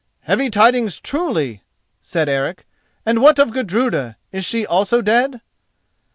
"Heavy tidings, truly!" said Eric; "and what of Gudruda, is she also dead?"